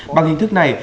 bằng hình thức này